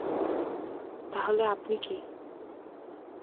তাহলে, আপনি কি?